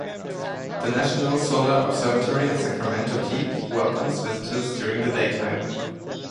The National Solar Observatory at Sacramento Peak welcomes visitors during the daytime.